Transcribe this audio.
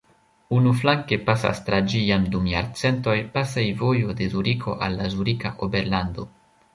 Unuflanke pasas tra ĝi jam dum jarcentoj pasejvojo de Zuriko al la Zurika Oberlando.